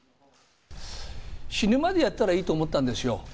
死ぬまでやったらいいと思ったんですよ。